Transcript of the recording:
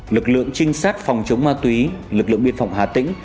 lực lượng trinh sát phòng chống ma túy lực lượng biên phòng hà tĩnh